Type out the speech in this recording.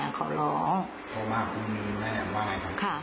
โทรเข้ามาคุณแม่ว่าไงครับ